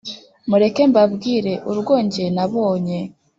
Mureke mbabwire urwo ge nabonye